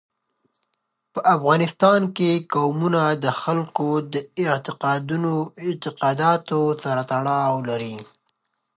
په افغانستان کې قومونه د خلکو د اعتقاداتو سره تړاو لري.